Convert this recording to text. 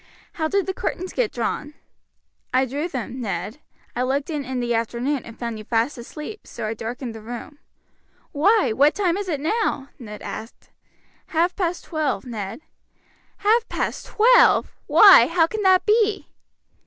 "How did the curtains get drawn?" "I drew them, Ned. I looked in in the afternoon, and found you fast asleep, so I darkened the room." "Why, what time is it now?" Ned asked. "Half past twelve, Ned." "Half past twelve! Why, how can that be?"